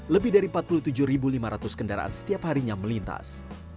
lebih dari empat puluh tujuh lima ratus kendaraan setiap harinya melintas